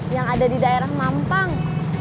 yang ada di daerah mampang